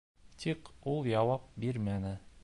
Тик ул яуап бирмәне.